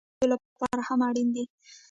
غوړې د هډوکو د قوی کیدو لپاره هم اړینې دي.